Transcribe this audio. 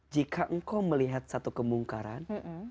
jika engkau melihat satu kemungkaran